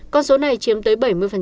con số này chiếm tới bảy mươi